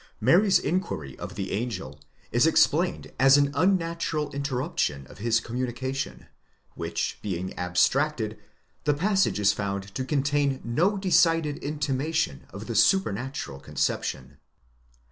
Mary's inquiry of the angel is explained? as an unnatural interruption of his communication, which being abstracted, the passage is found to contain no decided intimation of the supernatural conception.